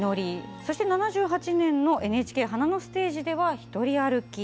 そして７８年のＮＨＫ「花のステージ」では「ひとり歩き」。